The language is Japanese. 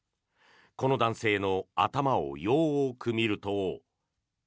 この男性の頭をよく見ると。